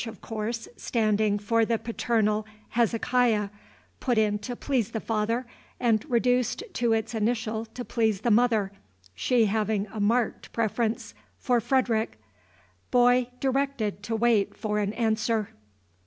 of course standing for the paternal Hezekiah, put in to please the father, and reduced to its initial to please the mother, she having a marked preference for Frederic. Boy directed to wait for an answer.